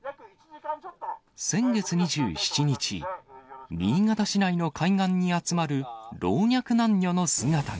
先月２７日、新潟市内の海岸に集まる老若男女の姿が。